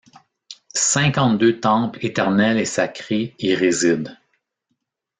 Cinquante-deux temples éternels et sacrés y résident.